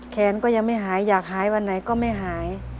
แขนก็ยังไม่หายอยากหายวันไหนก็ไม่หาย